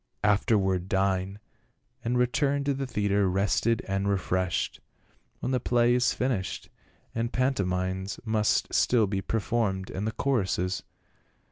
"Afterward dine, and return to the theatre rested and refreshed ; when the play is finished the pantomimes must still be performed, and the choruses."